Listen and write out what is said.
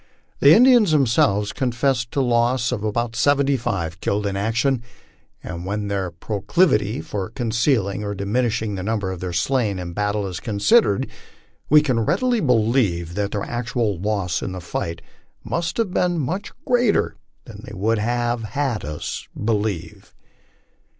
The Indians themselves confessed to a loss of seventy five killed in action, and when their proclivity for concealing or diminishing the number of their slain in battle is considered, we can readily believe that their actual loss in this fight must have been much greater than they would have us believe.